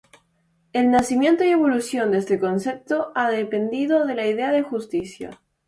El nacimiento y evolución de este concepto ha dependido de la idea de justicia.